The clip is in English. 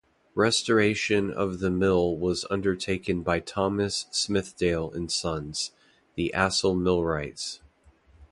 Restoration of the mill was undertaken by Thomas Smithdale and Sons, the Acle millwrights.